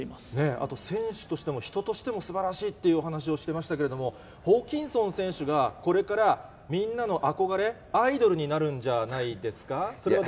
あと選手としても人としてもすばらしいというお話をしてましたけども、ホーキンソン選手が、これからみんなの憧れ、アイドルになるんじゃないですか？